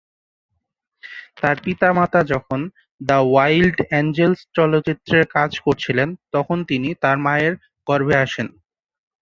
তার পিতামাতা যখন "দ্য ওয়াইল্ড অ্যাঞ্জেলস" চলচ্চিত্রের কাজ করছিলেন, তখন তিনি তার মায়ের গর্ভে আসেন।